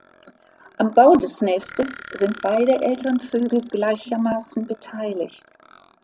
Am Bau des Nestes sind beide Elternvögel gleichermaßen beteiligt.